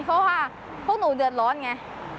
เพราะว่าพวกหนูเดือดร้อนไง